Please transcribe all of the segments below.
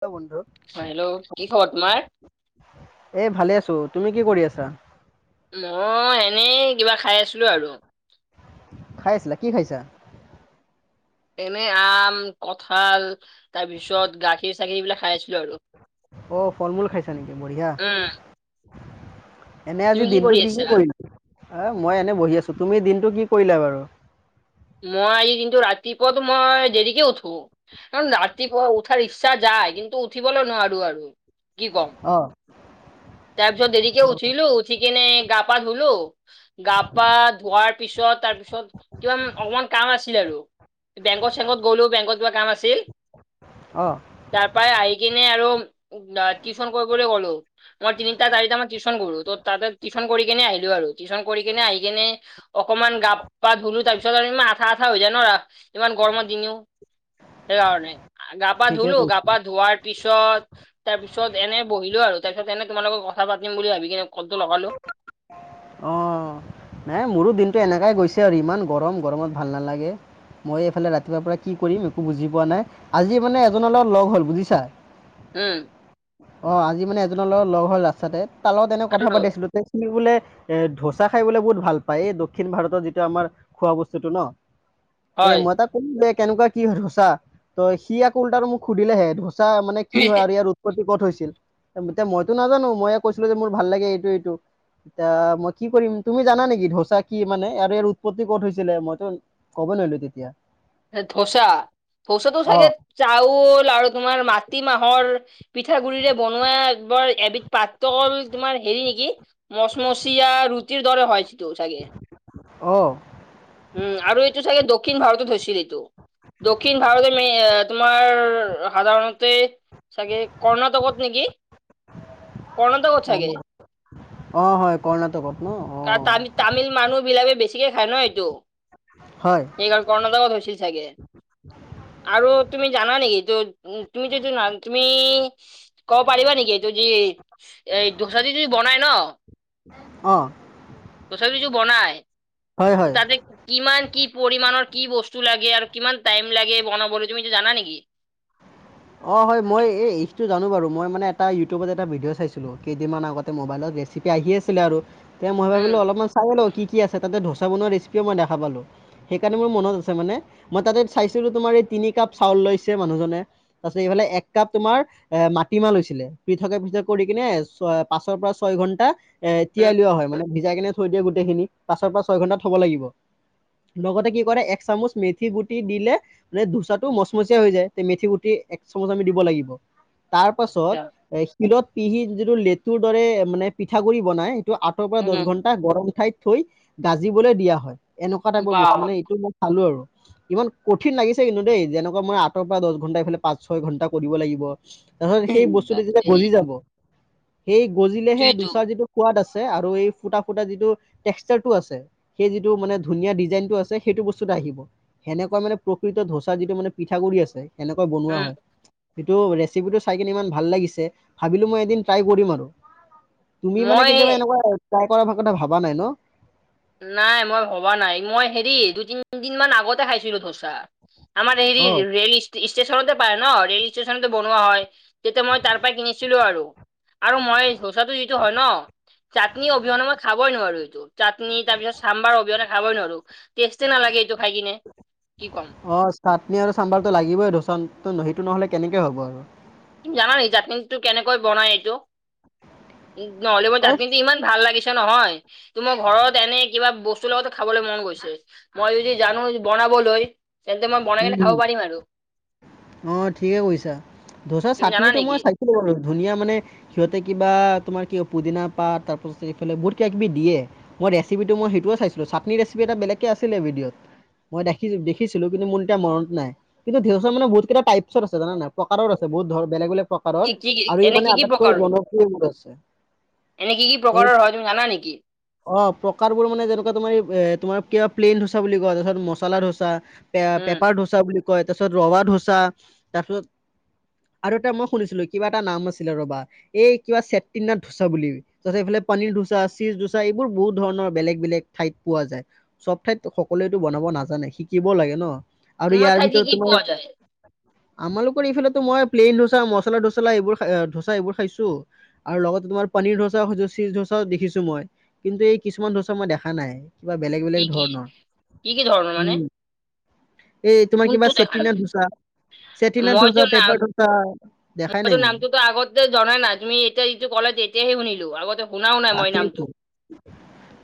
Hello বন্ধু অ' hello কি খবৰ তোমাৰ? এই ভালে আছো। তুমি কি কৰি আছা। মই এনেই কিবা খাই আছিলো আৰু। খাই আছিলা, কি খাইছা? এনে আম, কঁঠাল তাৰপিছত গাখীৰ চখীৰ এইবিলাক খাই আছিলোঁ আৰু। অ', ফল-মূল খাইছা নেকি? বঢ়িয়া। উম, এনেই আজি তুমি দিনটো কৰি কি আছা? কি কৰিলা? অহ, মই এনে বহি আছোঁ, তুমি দিনটো কি কৰিলা বাৰু? মই আজি দিনটো ৰাতিপুৱাত মই দেৰিকে উঠো। কাৰণ ৰাতিপুৱা উঠাৰ ইচ্ছা যায় কিন্তু উঠিবলৈ নোৱাৰোঁ আৰু কি কম। অ তাৰপিছত দেৰিকে উঠিলো, উঠি কেনে গা পা ধুলো, গা পা ধোৱাৰ পিছত পত তাৰপিছত কিমান অকমান কাম আছিল আৰু। বেংক চেংকত গ'লেও বেংকত কিবা কাম আছিল অ তাৰপৰা আহি কিনে আৰু ন' টিউশন কৰি [unintelligible] গ'লো। মই তিনিটা চাৰিটা মই টিউশচন কৰোঁ তঙ তাতে টিউচন কৰি কেনে আহিলোঁ আৰু টিউচন কৰি কেনে আহি কিনে অকম ইমান গাপ পা ধুলো তাৰ পিছত আৰু ইমান আঠা আঠা হৈ যায় ন' ইমান গৰমত দিনও। সেইকাৰণে গা পা ঠিকে ধুলো, গা কৈছা পা ধোৱাৰ পিছততাৰ পিছত এনে বহিলো আৰু তাৰিছ তেনে তোমালোকে কথা পাতিম বুলি ভাবি কিনে ক'লটো লগালো। অ', নাই মোৰো দিনটো এনেকাই গৈছে আৰু ইমান গৰম, গৰমত ভাল নালাগে। মই এইফালে ৰাতিপুৱাৰ পৰা কি কৰিম একো বুজি পোৱা নাই আজি মানে এজনৰ লগত লগ হ'ল বুজিছা। উম। অ', আজি মানে এজনৰ লগ লগ হ'ল ৰাস্তাতে তাৰ লগত এনেক কথা পাতিছিলো তে সি বোলে এ ধোচা খাই বোলৈ বহুত ভাল পায় এই দক্ষিণ ভাৰতৰ যিটো আমাৰ খোৱা বস্তুটো ন'। তে মই হয় তাক কলো যে কেনেকুৱা কি হয় সচা ত সি আকৌ উলতাটো মোক সুধিলেহে ধো। তাৰ মানে কি হয় আৰু ইয়াৰ উৎপত্তি। [unintelligible] ক'ত হৈছিল। এতিয়া মইতো নাজানো ময়ে কৈছিলো যে মোৰ ভাল লাগে এইটো এইটো এতিয়া মই কি কৰিম তুমি জানা নেকি ধোচা কি মানে আৰু ইয়াৰ উৎপত্তি কত হৈছিলে মইতো ক'ব নোৱাৰিলো তেতিয়া। ধোচা ধোচাটো অ চাগে চাউল আৰু তোমাৰ মাটি মাহৰ পিঠাগু়ৰিৰে বনোৱা বৰ এবিধ পাত্ৰকল তোমাৰ হেৰি নেকি, মচমচীয়াা ৰুটিৰ দৰে হয়। চাগে অ উম আৰু এইটো চাগে দক্ষিণ ভাৰতত হৈছে। চিলিটো দক্ষিণ ভাৰতে মেই তোমাৰ সাধাৰণতে চাগে কৰ্ণাটকত নেকি? কৰ্ণাটকত অ চাগে। অ হয় কৰ্ণাটকত ন অ তাম তামিল মানুহ বিলাকে বেছিকে খায় ন এইটো। হয় সেইকাৰাল কণাটকত হৈছিল চাগে আৰু তুমি জানা নেকি ত উ তুমিটো এইটো ন তুমি ক'ব পাৰিবা নেকি এইটো যি। এই দোচা দি যদি বনাই ন অ'। তথাপি কিছু বনাই হয় হয় তাতে কিমান কি পৰিমাণৰ কি বস্তু। [unintelligible] লাগে আৰু কিমান টাইম লাগে বনাব তুমিতো জানা নেকি। অ হয় মই এই ইটো জানো বাৰু মই মানে এটা ইউটিউবত এটা ভিডিঅ' চাইছিলোঁ কেইদিনমান আগতে মোবাইলত ৰেচিপি আহি আছিলে আৰু তেয়া মই উম ভাবিলোঁ অলপমান চাই লওঁ কি। কি আছে তাতে ধোচা বনোৱা ৰেচিপিয়ও মই দেখা পালোঁ সেইকাৰণে মোৰ মন আছে মানে মই তাতে চাইছিলোঁ তোমাৰ এই তিনি কাপ চাউল লৈছে মানুহজনে। তাতে এইফালে এক কাপ তোমাৰ এ মাটিমাহ লৈছিলে প থকা পিছত কৰি কিনে ছয় পাঁচৰ পৰা ছয়। দু ঘন্টা এ তিয়াই উম লওা হয় মানে ভিজাই কেনে থৈ দিয়ে গোটেইখিনি পাছৰ পৰা ছয় ঘন্টা থব লাগিব। লগতে কি কৰে এক চামুচ মেথি গুটি দিলে মানে ধোচাটো মচমচীয়া হৈ যায় তে মেথি গুটি এক চামুচ আমি দিব লাগিব। তাৰ পাছত এ তিলত পিহি যিটো লেতুৰ দৰে মানে পিঠাগুৰিি বনাই সেইটো আঠৰ পৰা দহ ঘন্টা উম গৰম ঠাইত থৈ গাজিবলৈ দিয়া হয়। এনেকুৱা টাইপৰ বা বস্তু মানে এইটো মই চালো আৰু ইমান কঠিন লাগিছে। কিন্তু, দেই যেনেকুৱা মান আঠৰ পৰা দহ ঘণ্টা ইফালে পাঁচ ছয় ঘণ্টা কৰিব লাগিব। নহয়। সেই বস্তুটো যেতিয়া তাকেই গলি যাব। সেই গলিলেহে সেইটোৱেইতো দুচাৰ যিটো কোৱাদ আছে। তে আৰু এই ফুটা ফুটা যিটো এক্সাষ্টাৰ টোৰ আছে, সেই যিটো মানে ধুনীয়া দিজাইন টো আছে, সেইটো বস্ত সেনেকুৱা মানে প্ৰকৃত ধোচা যিটো মানে পিঠাগু়ি আছে, সেনেকৈ বনোৱা উম হয়। সেইটো ৰেচিপিটো চাই কিনে ইমান ভাল লাগিছে, ভাবিলোঁ মই এদিন ট্ৰাই কৰিম আৰু তুমি মানে মই কেতিয়াবা এনেকুৱা ট্ৰাই কৰা কথা ভাবা নাই ন'? নাই মই ভবা নাই, মই হেৰি দুই তিনদিন মান আগতে খাইছিলো ধোচা। আমাৰ হেৰি অ ৰেলি ষ্টেচনতে পায় ন ৰে'ল ষ্টেচনতে বনোৱা হয়। তেতিয়া মই তাৰ পৰা কিনিছিলোঁ আৰু আৰু মই ধচাটো যিটো হয় ন চাটনি অবিহনে মই খাবই নোৱাৰোঁ এইটো চাট নি তাৰপিছত চামবাৰৰ অবিহনে খাবই নোৱাৰোঁ। ক'ম আহ চাটনি আৰু চাম্বাৰটো লাগিবই ধচোন ত সেইটো নহ'লে কেনেকে হ'ব আৰু। তুমি জানা নেকি চাটনিটো কেনেকৈ বনাই এইটো? নহ'লে মোৰ অ, জাটনিটো ইমান ভাল লাগিছে নহয় তো মোৰ ঘৰত এনে কিবা বস্তু লগতে খাবলৈ মন গৈছে মই যদি জানো বনাবলৈ তেন্তে মই বনাই কেনে উম খাব পাৰিম আৰু ধচাৰ তুমি জানা চাটনিটো নেকি? মই চাইছিলোঁ বাৰু ধুনীয়া মানে সিহঁতে কিবা তোমাৰ কি পুদিনা পাত তাৰপাছত এইফালে বহুত কিবা কিবি দিয়ে। মই ৰেচিপিটো মই হেইটোৱে চাইছিলো চাটনি ৰেচিপি এটা বেলেগে আছিলে ভিডঅ' মই দেখিছো। শিকিছিলোঁ কিন্তু মোৰ এতিয়া মনত নাই। কিন্ত ধৰচা মানে বহুত কেইটা টাইপছত আছে জানা নে নাই? প্ৰকাৰৰ আছে বহুত ধৰৰ বেলেগ বেলেগ প্ৰকাৰৰ কি কি কি আৰু ই এনে কি মানে কি আটাইতকৈ প্ৰকাৰৰ জনপ্ৰিয় বোৰ আছে। এনে কি কি প্ৰকাৰৰ হয় তুমি জানা নেকি? অ' প্ৰকাৰ বোৰ মানে যেনেকুৱা তোমাৰ এই তোমাৰ কিবা প্লেইন ধোচা বুলি কয়, তাৰপিছত মচলা ধোচা পে উম, পেপাৰ ধোচা বুলি কয়। তাৰপিছত ৰৱা ধোচা, তাৰপিছত আৰু এতিয়া মই শুনিছিলোঁ কিবা এটা নাম আছিলে ৰবা এই কিবা চেটিনাথ ধোচা বুলি তহঁতৰ হেইফালে পানীৰ ধোচা, চিজ ধোচা আচ্ছা এইবোৰ বহুত ধৰণৰ বেলেগ বেলেগ ঠাইত পোৱা যায় সব ঠাইত সকলোৱেতো বনাব নাজানে শিকিব লাগে ন। আৰু তোমাৰ ইয়াৰ ঠাইত কি ভিতৰত কি তোমাৰ পোৱা যায়? আমালোকৰ এইফালো মই প্লেইন ধোচা, মচলা ধোচা, এইবোৰ খ ধোচা এইবোৰ খাইছো আৰু লগত তোমাৰ পনীৰ ধোচাও, চীজ ধোচাও দেখিছো মই, কিন্তু এই কিছুমান ধোচা মই দেখা নাই। কিবা বেলেগ কি বেলেগ কি ধৰণৰ কি কি ধৰণৰ মানে উম। এই তোমাৰ কিবা চেটিনা ধোচা চেটিনা মই ধোচা যোৰ নাম পেপাৰ ধোচা দেখাই নাই মইতো মই নামটোতো আগতেতে জনাই ন তুমি এতি এইটো কলা তেতিয়াহে শুনিলোঁ আগতে শুনাও নাই মই নামটো। তাকেইতো,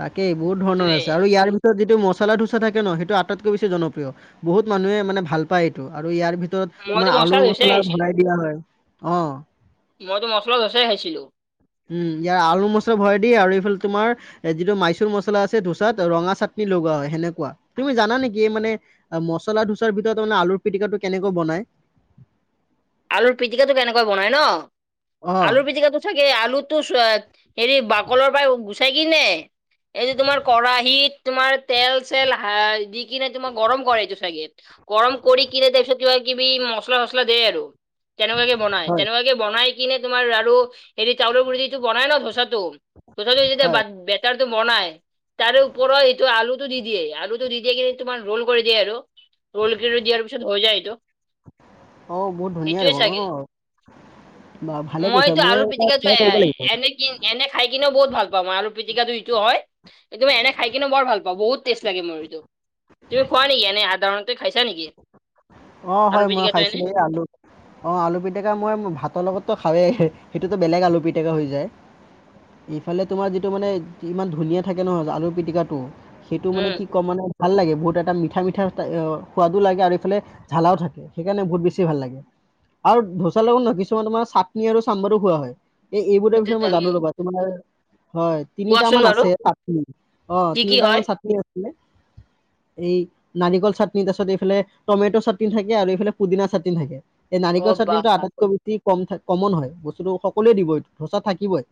তাকেই বহুত ধৰণৰ তে আছে আৰু ইয়াৰ ভিতৰত যিটো ম মছলা ধোচা থাকে ন সেইটো আটাইতকৈ বেছি জনপ্ৰিয় বহুত মানুহে মানে ভাল পায় এইটো আৰু ইয়াৰ ভিতৰত মইতো তোমাৰ আলুৰ ধোচাই মচলা খাইছিলো ভৰাই দিয়া হয়। অ' মইতো মছলা ধচাই খাইছিলো। উম ইয়াৰ আলু মছলা ভৰাই দিয়ে আৰু এইফালে তোমাৰ যিটো মাইচুৰ মছলা আছে ধোচাত ৰঙা চাটনি লগোৱা হয় সেনেকুৱা। তুমি জানা নেকি মানে মছলা ধোচাৰ ভিতৰত তামানে আলুৰ পিটিকাটো কেনেকৈ বনাই? [inaudible] আলুৰ পিতিকাটো কেনেকৈ বনাই ন অ', আলুৰ পিতিকাটো চাগে আলুটো হেৰি বাকলৰ পাই গুচাই কিনে এইটো তোমাৰ কেৰাহিত তোমাৰ তেল চেল দি কিনে তোমাৰ গৰম কৰে এইটো চাগে। গৰম কৰি কিনে তাৰপিছত কিবি মচলা-চচলা দে আৰু। তেনেকুৱাকে বনাই, হয়, তেনেকুৱাকে বনাই কিনে তোমাৰ আৰু হেৰি চাউলৰ গুৰিটো বনাই ন ধোচাটো। ধচাটো যেতিয়া হয়। বাট বেটাৰ টো বনাই তাৰে ওপৰত এইটো আলুটো দি দিয়ে। আলুটো দি দিয়ে কিনে তোমাৰ ৰল কৰি দিয়ে আৰু। ৰ'ল কৰি দিয়াৰ পিছত হৈ যায় এইটো। অ, বহুত ধুনীয়া সেইটোৱে দেখ ন ন। চাগে মইতো আলু পিটিকটো এ লাগিব। এনে এনে খাই কিনেও বহুত ভাল পাওঁ মই আলু পিটিকটোটো হয় মই এনে খাই কিনে বৰ ভাল পাওঁ বহুত টেষ্ট লাগে মোৰ এইটো। তুমি খোৱা নেকি এনে সাধাৰণতে খাইছা নেকি? অ, আলু হয় মই পিটিকাটো এনে খাইছিলো এই আলু অ, আলু পিটিকা মই ভাতৰ লগততো খাওঁৱেই সেইটোতো বেলেগ আলু পিটিকা হৈ যায়। ইফালে তোমাৰ যিটো মানে ইমান ধুনীয়া থাকে নহয় আলুৰ পিটিকাটো সেইটো মানে উম কি কম মানে ভাল লাগে বহুত এটা মিঠা মিঠা সোৱাদো লাগে আৰু এইফালে জলাও থাকে সেইকাৰণে বহুত বেছি ভাল লাগে। আৰু ধোচা লগত নহয় কিছুমান তমাৰ চাটনি আৰু চামবাৰো খোৱা হয়। এই এইবোৰৰ সেইটো বিষয়ে মই ত- জানো উম, ৰ'বা তুমাৰ হয় তিনিটা কোৱাচোন মান বাৰু আছে অ, কি কি তিনিটা হয় মান চাটনি আছে। এই নাৰিকল চাটনিৰ তাৰছত এইফালে টমেট' চাটনি চাটিন থাকে আৰু এইফালে পুদিনা চাটিন থাকে, এই অ নাৰিকল বাহ চাটিনটো বাহ। আটাইতকৈ ব কম কমন হয় বস্তুটো সকলোৱে দিব এই ধোচা থাকিবই।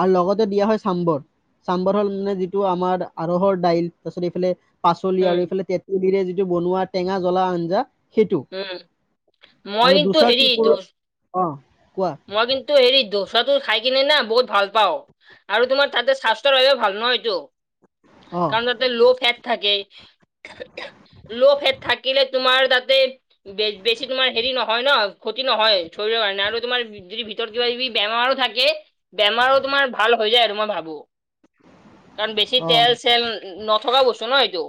আৰু লগতে দিয়া হয় চাম্বৰ। চাম্বাৰ হল মানে যিটো আমাৰ আ ৰহৰ দাইল তাৰপিছত এইফালে পাচলি উম আৰু এইফালে তেতেলীৰে যিটো বনোৱা টেঙা জ্বলা আঞ্জা সেইটো উম মই আৰু কিন্তু ধোচাৰ হেৰি তপুৰ দচ অ' কোৱা মই কিন্তু হেৰি দোচাটো খাই কিনে নাম বহুত ভাল পাওঁ, আৰু তোমাৰ তাতে স্বাস্থ্যৰ বাবেও ভাল নহয় এইটো। অ কাৰণ তাতে ল'ফেট থাকে ল'ফেট থাকিলে তোমাৰ তাতে বেছি তোমাৰ হেৰি নহয় ন ক্ষতি নহয় শৰীৰৰ কাৰণে আৰু তোমাৰ যদি ভিতৰত কিবা কিবি বেমাৰো থাকে বেমাৰো তোমাৰ ভাল হৈ যায় আৰু মই ভাবো। কাৰণ বেছি অ তেল চেল নথকা বস্তু ন এইটো।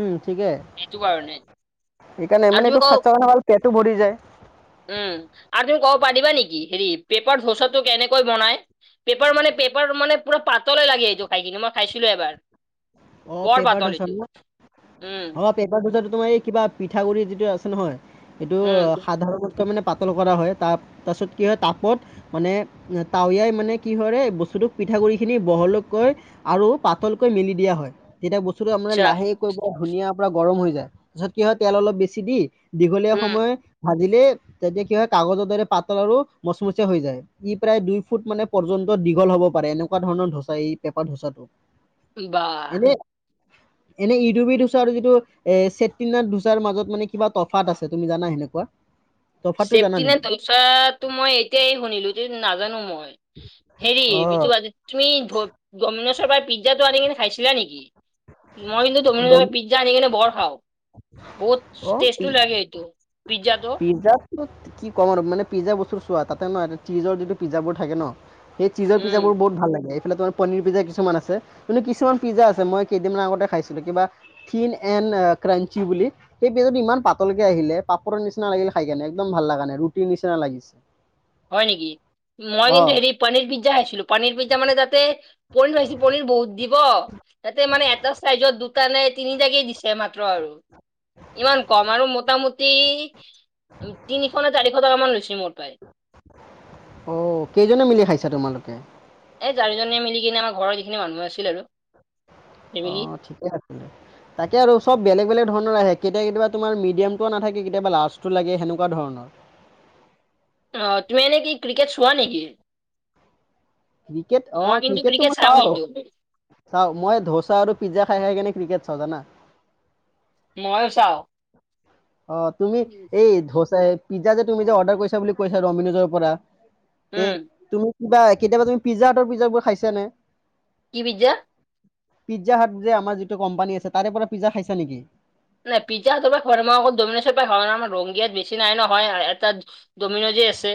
উম ঠিকে সেইটো কাৰণে সেইকাৰণে আৰু মানে তুমি এইটো কও স্বাস্থ্যৰ কাৰণে ভাল পেটটো ভৰি যায়। উম আৰু তুমি ক'ব পাৰিবা নেকি হেৰি পেপাৰ ধোচাটো কেনেকৈ বনাই পেপাৰ মানে পেপাৰ মানে পুৰা পাতলে লাগে এইটো খাই কিনে মই খাইছিলো এবাৰ। অ, বৰ পেপাৰ পাতল ধোচা এইটো উম অ পেপাৰ ধচাটো তোমাৰ এই কিবা পিঠাগুড়ি যিটো আছে নহয় এইটো উম সাধাৰণ মানে পাতল কৰা হয় ত তাৰপিছত কি হয় তাপত মানে তটাৱিয়াই মানে কি হয় ব চুটুক পিঠাগুড়িখিনি বহলকৈ আৰু পাতলকৈ মেলি দিয়া হয়। তেতিয়া বস্তুটোৰ আচ্ছা লাহেকৈ বৰ ধুনীয়া পুৰা গৰম হৈ যায়, তাৰছত কি হয় তেল অলপ বেছি দি দীঘলীয়া উম সময় ভাত দিলে তেতিয়া কি হয় কাগজৰ দৰে পাতল আৰু মচমচা হৈ যায় ই প্ৰায় দুই ফুট মানে পৰ্যন্ত দীঘল হ'ব পাৰে এনেকুৱা ধৰণৰ ধোচা এই পেপাৰ ধোঁচাটো। বাহ এনে এনে ইডুবি ধোচাৰ যিটো এ ছেতিনাথ ধোচাৰ মাজত মানে কিবা তফাত আছে তুমি জানা সেনেকুৱা? [inaudible] জানা চেফটি নে নেকি? তইচাটো মই এতিয়াই শুনিলো নাজানো মই হেৰি অ', বিটো তুমি [unintelligible] পৰা পিজ্জাটো আনি কিনে খাইছিলা নেকি? মই যে তুমি দম- পিজ্জা আনি কিনে বৰ খাও। বহুত অ', টেষ্টো লাগে এইটো পিজ্জাটো পিজ্জাত কি কম আৰু মানে পিজ্জা বস্ত চোৱা তাতে নিজৰ যিটো পিজ্জাবোৰ থাকে ন সেই চিজৰ উম পিজাবোৰ বহুত ভাল লাগে এইফালে তোমাৰ পনীৰ পিজা কিছুমান আছে কিন্তু কিছুমান পিজ্জা আছেই কেইদিন আগতে খাইছিলো কিবা থিন এনড ক্ৰাঞ্চি বুলি সেই পেজত ইমান পাতলকে আহিলে। পাপৰ নিচিনা লাগিলে খাই কেনে একদম ভাল লগা নে ৰুটিৰ নিচিনা লাগিছে। হয় নেকি মই কিন্তু অ', হেৰি পানীৰ পিজ্জা খাইছিলো পানীৰ পিজ্জা মানে যাতে পনিৰ ভাইছ পনিৰ বহুত দিব তাতে মানে এটা চাইজত দু তানে তিনিটাকেই দিছে মাত্ৰ আৰু ইমান কম আৰু মোটামুটি তিনিশ চাৰিশ টকা মান মোৰ পায়ে অ কেইজনে মিলি খাইছা তোমালোকে এই জাৰিজনীয়ে মিলি কিনে আমাৰ ঘৰৰত যিখিনি মানুহ আছিল আৰু অ ফেমিলি ঠিকে আছিল তাকে আৰু চব বেলেগ বেলেগ। ধৰণৰ আহে কেতিয়া কেতিয়াবা তোমাৰ মিডিয়ামটো নাথাকে কেতিয়াবা লাৰ্জটো লাগে সেনেকুৱা ধৰণৰ আহ তুমি এ নেকি ক্ৰিকেট চোৱা নেকি ক্ৰিকেট অ মই কিন্তু ক্ৰিকেটটো ক্ৰিকেট মই চাওঁ কিন্তু চাও মই ধোচা আৰু পিজ্জা খাই খাই কেনে ক্ৰিকেট চাওঁ জানা মইল চাও অ তুমি এই ধা পিজ্জা যে তুমি যে অৰ্ডাৰ কৰিছা বুলি কৈছা ৰমিনোজৰ পৰা তে উম, তুমি কিবা কেতিয়াবা তুমি পিজ্জাহাতৰ পিজ্জাবোৰ খাইছা নে। কি পিজ্জা পিজ্জা হাত যে আমাৰ যিটো কোম্পানী আছে তাৰে পৰা পিজ্জ খাইছা নেকি নাই পিজ্জাহাতৰ পৰা খোৱা নাই মই আকৌ ডমি'নছৰ পৰা খাওঁ নহ আমাৰ ৰঙীয়াত বেছি নাই নহয় এটা। ডমিন'ছ যে আছে।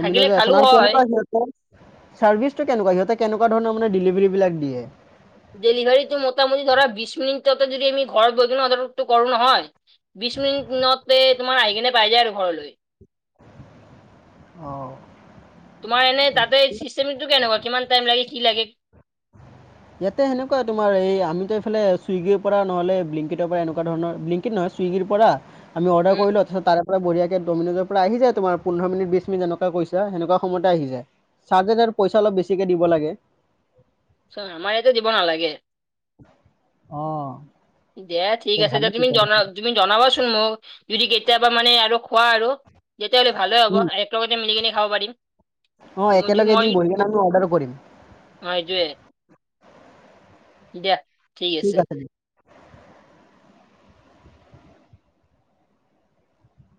থাকিলে আছে খালো নহয় আৰু হয়। কেনেকুৱা সিহঁতে চাৰ্ভিচটো কেনেকুৱা সিহঁতে কেনেকুৱা ধৰণৰ। ডেলিভাৰ বিাক দিয়ে ডেলিভাৰীটো মোটামুটি ধৰা বিশ মিনিটতে যদি আমি ঘৰত বৈ কিনে অটো কৰো নহয় বিশ মিনিটতে তোমাৰ আহি কিনে পাই যায় আৰু ঘৰলৈ আহ তোমাৰ এনেই তাতে চিষ্টেমটো কেনেকুৱা কিমান টাইম লাগে কি লাগে ইয়াতে সেনেকুৱা তোমাৰ এই আমিতোফাল চুইগিৰ পৰা নহলে বিংকিটৰ পৰা এনেকুৱা ধৰণৰ বিংকিত নহয় চুইগিৰ পৰা আমি অৰ্ডাৰ উম, কৰিলো তছ তাৰে পৰা ব়িয় আ ডমিন'জৰ পৰা আহি যায় তোমাৰ পোধ মিনি বিশ বি মিনট যেনেকুৱ কৈছােনেকুৱায়তে আহি যায় চাৰ হাজাৰ পইচা অলপ বেছিকে দিব লাগে চ আমাৰ ইয়াতে দিব নালাগে অহ। দিয়া ঠিক আছে দিয়া তুমি জনাবা তুমি জনাবাচোন মোক। যদি কেতিয়াবা মানে আৰু খোৱা আৰু তেতিয়াহ'লে ভালেই হ'ব উম, একেলগতে মিলিকিনি খাব পাৰিম অঁ [unintelligible] অ একেলগে এদিন বহি কিনে আমি অৰ্ডাৰ কৰিম সেইটোৱে। দে ঠিক আছে।